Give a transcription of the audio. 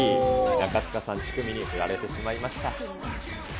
中務さん、チュクミに振られてしまいました。